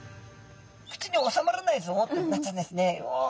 「口に納まらないぞ」ってなったんですね。